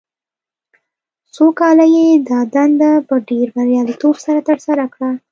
څو کاله یې دا دنده په ډېر بریالیتوب سره ترسره کړه.